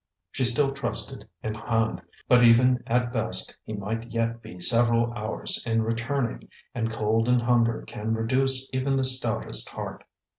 She still trusted in Hand; but even at best he might yet be several hours in returning; and cold and hunger can reduce even the stoutest heart.